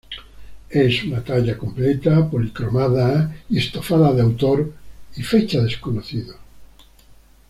Es una talla completa policromada y estofada de autor y fecha desconocidos.